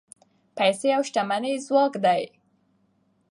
پیسې او شتمني ځواک دی.